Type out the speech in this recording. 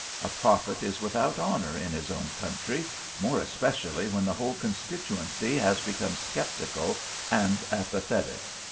A prophet is without honour in his own country, more especially when the whole constituency has become sceptical and apathetic.